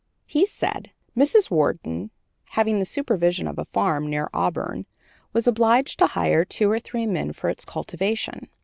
He said: "Mrs. Worden having the supervision of a farm near Auburn, was obliged to hire two or three men for its cultivation.